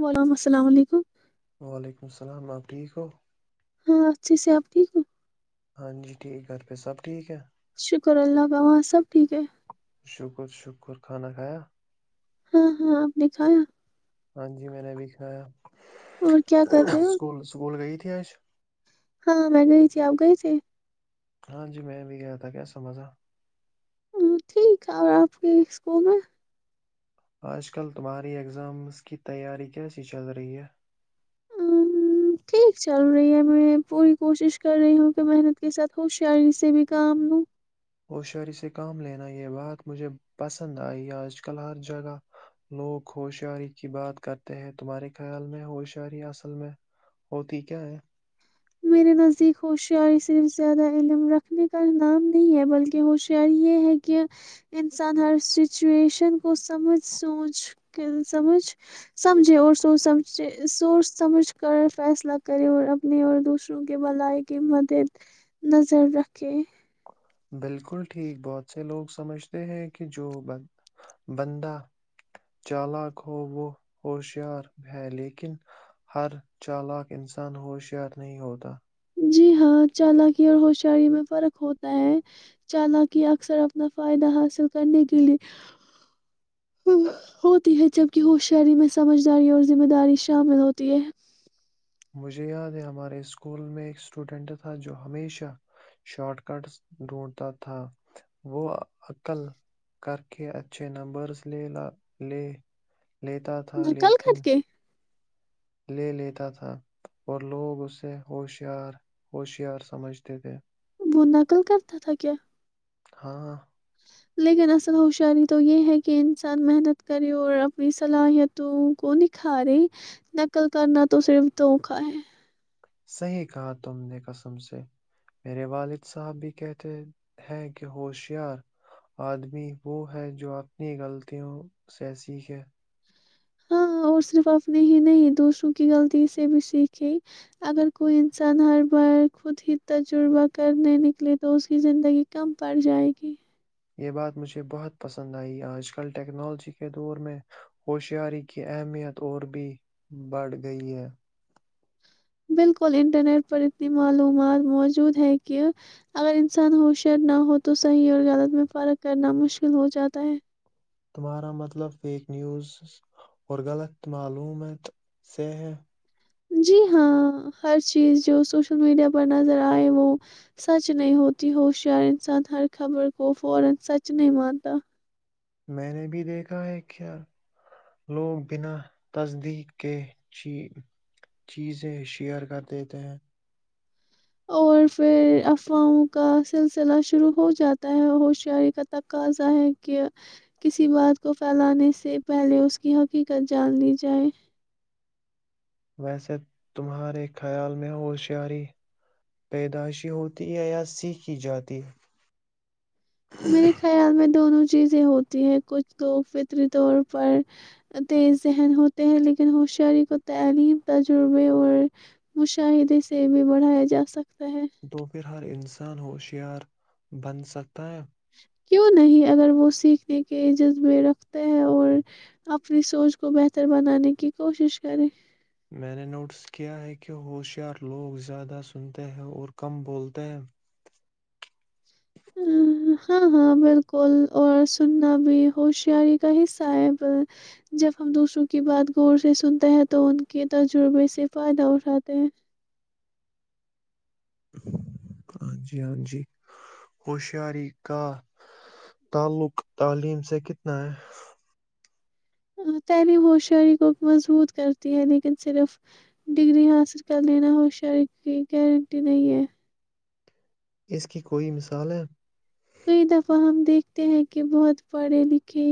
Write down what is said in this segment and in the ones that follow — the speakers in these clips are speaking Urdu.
وعلیکم السلام ٹھیک ہو وعلیکم السلام آپ ٹھیک ہو ہاں اچھے سے آپ ٹھیک ہو ہاں جی ٹھیک گھر پی سب ٹھیک ہے شکر اللہ کا وہاں سب ٹھیک ہے شکر شکر کانا کھیا ہاں ہاں آپ نے کھایا ہاں جی میں نے بھی کھایا اور کیا کر رہے ہو سکول سکول گئی تھی پش ہاں میں گئی تھی آپ گئے تھ ہاں جی میں بھی گیا تھا کیا سمجھا ہ ٹھیک ہے اور آپ کے اسکول میں آج کل تمہاری ایگزامز کی تیاری کیسی چل رہی ہے ہاں، ٹھیک چل رہی ہے میں پوری کوشش کر رہی ہوں کہ محنت کے ساتھ ہوشیاری سے بھی کام لوں ہوشیاری سے کام لینا یہ بات مجھے پسند آئی آج کل ہر جگہ لوگ ہوشیاری کی بات کرتے ہیں تمہارے خیال میں ہوشیاری اصل میں ہوتی کیا ہے میرے نزدیک ہوشیاری صرف زیادہ علم رکھنے کا نام نہیں ہے بلکہ ہوشیاری یہ ہے کہ انسان ہر سچویشن کو سمجھ سوچ کے سمجھ سمجھے اور سوچ سمجھ سوچ سمجھ کر فیصلہ کرے اور اپنے اور دوسروں کے بلائی کی مدد نظر رکھے بالکل ٹھیک بہت سے لوگ سمجھتے ہیں کہ جو بندہ چالک ہو وہ ہوشیار ہے لیکن ہر چالک انسان ہوشیار نہیں ہوتا جی ہاں چالکی اور ہوشیاری میں فرق ہوتا ہے چالاکی اکثر اپنا فائدہ حاصل کرنے کے لیے ہوتی ہے جبک ہوشیاری میں سمجھداری اور ذمہ داری شامل ہوتی ہے مجھے یاد ہے ہمارے اسکول میں ایک اسٹوڈینٹ تھا جو ہمیشہ شارٹ کٹس ڈھونڈتا تھا وہ عقل کر کے اچھے نمبرس لے ل لے لیتا تھا نقل لیکن کر کے لے لیتا تھا اور لوگ اسے ہوشیار ہوشیار سمجھتے تھے وہ نقل کرتا تھا کیا ہاں لیکن اصل ہوشاری تو یہ ہے کہ انسان محنت کرے اور اپنی صلاحیتوں کو نکھارے نقل کرنا تو صرف دوکھا ہے صحیح کہا تم نے قسم سے میرے والد صاحب بھی کہتے ہیں کہ ہوشیار آدمی وہ ہے جو اپنی غلطیوں سے سیکھے ہاں اور صرف اپنی ہی نہیں دوسروں کی غلطی سے بھی سیکھھی اگر کوئی انسان ہر بار خود ہی تجربہ کرنے نکلے تو اس کی زندگی کم پڑ جائے گی یہ بات مجھے بہت پسند آئی آج کل ٹیکنالوجی کے دور میں ہوشیاری کی اہمیت اور بھی بڑھ گئی ہے بالکل انٹرنیٹ پر اتنی معلومات موجود ہے کہ اگر انسان ہوشیار نہ ہو تو صحیح اور غلط میں فرق کرنا مشکل ہو جاتا ہے تمہارا مطلب فیک نیوز اور غلط معلومات سے ہے جی ہاں ہر چیز جو سوشل میڈیا پر نظر ائے وہ سچ نہیں ہوتی ہو شہر انسان ہر خبر کو فورا سچ نہیں مانتا میں نے بھی دیکھا ہے کیا لوگ بنا تصدیق کے چیزیں شیئر کر دیتے ہیں اور پھر افواہوں کا سلسلہ شروع ہو جاتا ہے ہوشیاری کا تقاضا ہے کہ کسی بات کو پھیلانے سے پہلے اس کی حقیقت جان لی جائے ویسے تمہارے خیال میں ہوشیاری پیدائشی ہوتی ہے یا سیکھی جاتی ہے میرے خیال میں دونوں چیزیں ہوتی ہیں کچھ لوگ فطری طور پر تیز ذہن ہوتے ہیں لیکن ہوشیاری کو تعلیم تجربے اور مشاہدے سے بھی بڑھایا جا سکتا ہے تو پھر ہر انسان ہوشیار بن سکتا ہے اور کیوں نہیں اگر وہ سیکھنے کے جذب میں رکھتے ہیں اور اپنی سوچ کو بہتر بنانے کی کوشش کرے میں نے نوٹس کیا ہے کہ ہوشیار لوگ زیادہ سنتے ہیں اور کم بولتے ہیں ہاں ہاں بالکل اور سننا بھی ہوشیاری کا حصہ ہے جب ہم دوسروں کی بات غور سے سنتے ہیں تو ان کے تجربے سے فائدہ اٹھاتے ہیں ہاں جی ہاں جی ہوشیاری کا تعلق تعلیم سے کتنا ہے تعلیم ہو شاری کو مضبوط کرتی ہے لیکن صرف ڈگری حاصل کر لینا ہو شہری کی گارنٹی نہیں ہے اس کی کوئی مثال ہے کئی دفعہ ہم دیکھتے ہیں کہ بہت پڑھے لکھے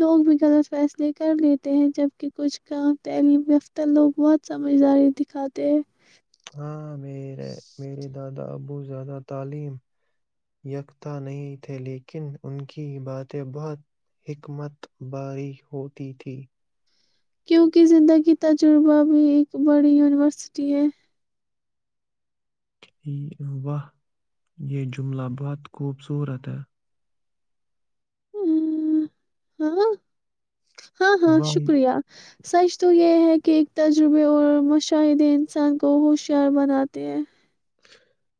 لوگ بھی غلط فیصلے کر لیتے ہیں جبک کچھ کام تعلیم یافتہ لوگ بہت سمجھداری دکھاتے ہیں ہاں میرے دادا ابو زیادہ تعلیم یکتتا نہیں تھے لیکن ان کی باتیں بہت حکمت باری ہوتی تھیں کیونکہ زندگی تجربہ بھی ایک بڑی یونیورسٹی ہے وہاہ یہ جملہ بہت خوبصورت ہے ہاں ہاں ہاں واہ شکریہ سچ تو یہ ہے کہ ایک تجربے اور مشاہدے انسان کو ہوشیار بناتے ہیں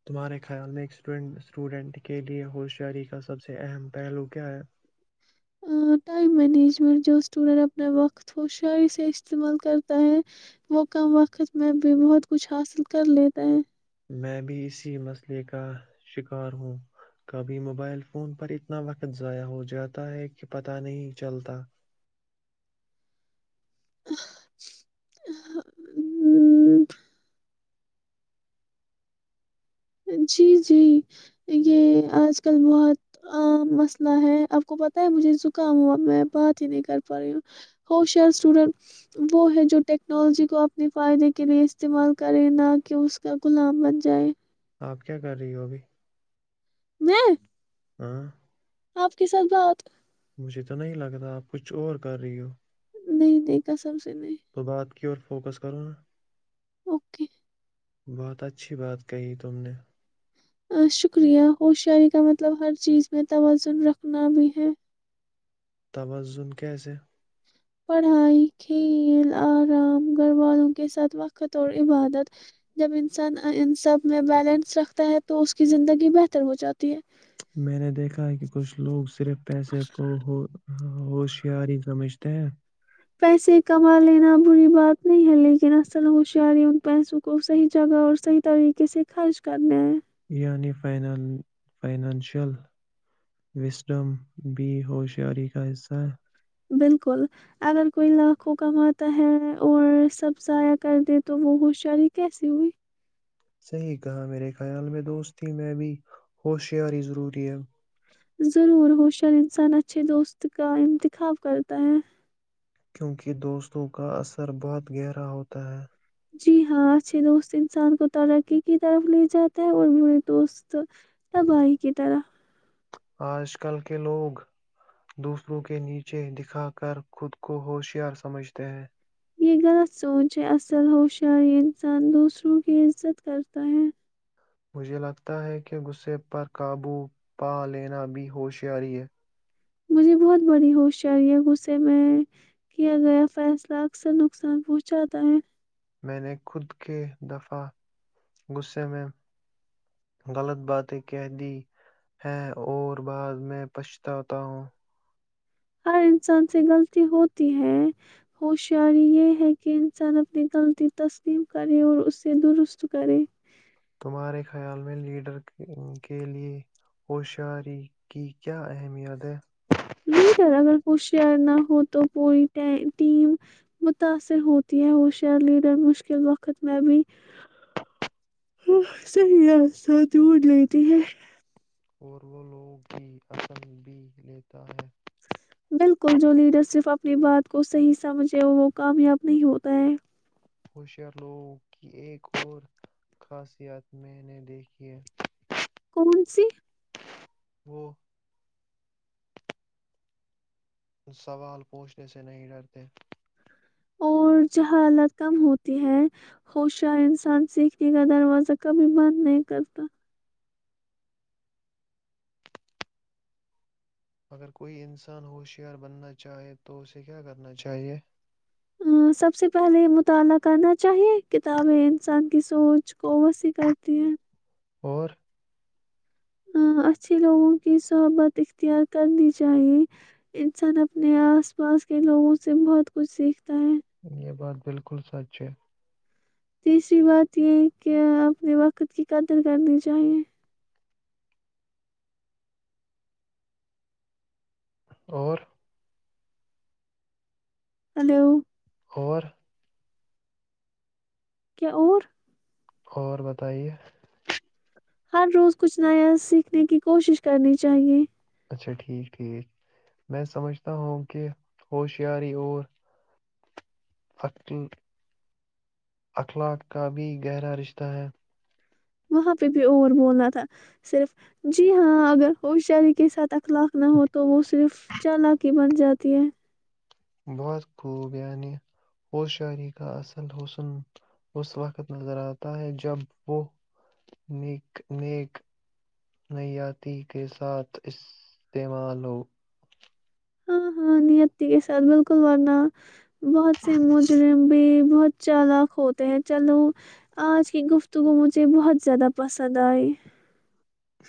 تمہارے خیال میں اسٹوڈنٹ کے لیئے ہوشیاری کا سب سے اہم پہلو کیا ہے ٹائم مینجمنٹ جو اسٹوڈینٹ اپنا وقت خوشری سے استعمال کرتا ہے وہ کم وقت میں بھی بہت کچھ حاصل کر لیتا ہے میں بھی اسی مسئلے کا شکار ہوں کبھی موبائل فون پر اتنا وقت ضائع ہو جاتا ہے کہ پتہ نہیں چلتا ہ [unintelligible] جی جی یہ آج کل بہت عام مسئلہ ہے آپ کو پت ہے مجھے زکام ہوا میں بات ہی نہیں کر پا رہی ہوں ہو شر اسٹوڈنٹ وہ ہے جو ٹیکنالوجی کو اپنے فائدے کے لیے استعمال کرے نہ کہ اس کا غلام بن جائے آپ کیا کر رہی ہو ابھی نہ ہاں آپ کے ساتھ بات مجھے تو نہیں لگ رہا آپ کچھ اور کر رہی ہو نہیں دیکھا سب سے نہیں کیور فوکس کرو اوکے بہت اچھی بات کہی تم نے شکریہ ہوشیاری کا مطلب ہر چیز میں توازن رکھنا بھی ہے توازن کیسے پڑھائی کھیل آرام گھر والوں کے ساتھ وقت اور عبادت جب انسان ان سب میں بیلنس رکھتا ہے تو اس کی زندگی بہتر ہو جاتی ہے میں نے دیکھا ہے کہ کچھ لوگ صرف پیسے کو ہو ہاں ہوشیار ہی سمجھتے ہیں پیسے کما لینا بری بات نہیں ہے لیکن الم ہوشیاری ان پیسوں کو صحیح جگہ اور صحیح طریقے سے خرچ کرنےئے یعنی ف فائنانشل وسڈم بھی ہوشیاری کا حصہ ہے بالکل اگر کوئی لاکھوں کماتا ہے اور سب ضائع کر دے تو وہ ہوشیاری کیسی ہوئی صحیح کہا میرے خیال میں دوستی میں بھی ہوشیاری ضروری ہے ضرور ہوشر انسان اچھے دوست کا انتخاب کرتا ہے کیونکہ دوستوں کا اثر بہت گہرا ہوتا ہے جی ہاں اچھے دوست انسان کو ترقی کی طرف لے جاتا ہے اور بھی مے دوست تبی کی طرح آج کل کے لوگ دوسروں کے نیچے دکھا کر خود کو ہوشیار سمجھتے ہیں یہ غلط سوچ ہے اصل ہوشیاری انسان دوسروں کی عزت کرتا ہے مجھے لگتا ہے کہ غصے پر قابو پا لینا بھی ہوشیاری ہے مجھے بہت بڑی ہوشیاری ہے غصے میں کیا گیا فیصلہ اکثر نقصان پہنچاتا ہے میں نے خود کے دفع غصے میں غلط باتیں کہہ دی ہیں اور بعد میں پچھتاتا ہوں ہر انسان سے غلطی ہوتی ہے ہوشیاری یہ ہے کہ انسان اپنی غلطی تسلیم کرے اور اس سے درست کرے تمہارے خیال میں لیڈر کے لیئے ہوشاری کی کیا اہمیت ہے لیڈر اگر کچ شیئر نہ ہو تو پوری ٹیم متاثر ہوتی ہے وہ شیئر لیڈر مشکل وقت میں بھی صیہ جڑ لیتی ہے اور وہ لوگوں کی آسن بھی لیتا ہے بالکل جو لیڈر صرف اپنی بات کو صحیح سمجھے وہ کامیاب نہیں ہوتا ہے ہوشیار لوگوں کی ایک اور خاصیت میں نے دیکھی ہے کون سی وہ سوال پوچھنے سے نہیں ڈرتے اور جہاں حالت کم ہوتی ہے ہوشار انسان سیکھنے کا دروازہ کبھی بند نہیں کرتا اگر کوئی انسان ہوشیار بننا چاہے تو اسے کیا کرنا چاہیئے سب سے پہلے مطالعہ کرنا چاہیے کتابیں انسان کی سوچ کو وسیع کرتی ہیں اور ا اچھھی لوگوں کی صحبت اختیار کرنی چاہیے انسان اپنے آس پاس کے لوگوں سے بہت کچھ سیکھتا ہے یہ بات بالکل سچ ہے تیسری بات یہ کہ اپنے وقت کی قدر کرنی چاہیے اور ہلو خور کیا اور اور بتائیے ہر روز کچھ نیا سیکھنے کی کوشش کرنی چاہیے اچھا ٹھیک ٹھیک میں سمجھتا ہوں کہ ہوشیاری اور اخلاق کا بھی گہرا رشتہ ہے وہاں پہ بھی اور بولنا تھا صرف جی ہاں اگر ہوشیاری کے ساتھ اخلاق نہ ہو تو وہ صرف چال کی بن جاتی ہے بہت خوب یعنی ہوشاری کا اصل حسن اس وقت نظر آتا ہے جب وہ نیک نیک نیاتی کے ساتھ استعمال ہو ہاں ہاں نیت کے سات بالکل ورنہ بہت سے مجرم بھی بہت چالک ہوتے ہیں چلو آج کی گفتگو مجھے بہت زیادہ پسند آئی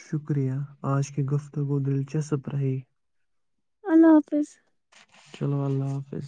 شکریہ آج کے گفتگ کو دلچسپ رہی اللہ حافظ چلو اللہ حافظ